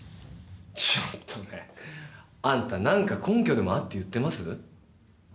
ちょっとね、あんたなんか根拠でもあって言ってます？